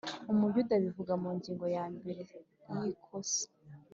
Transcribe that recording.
Umuyuda abivuga mungingo ya mbere yikosa